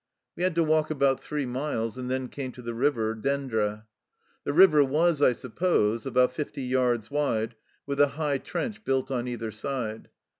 We had to walk about three miles, and then came to the river (Dendre). The river was, I suppose, about fifty yards wide, with a high trench built on either side.